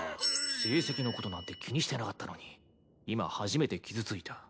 成績のことなんて気にしてなかったのに今初めて傷ついた。